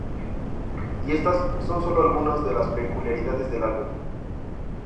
Y estas son sólo algunas de las peculiaridades del álbum.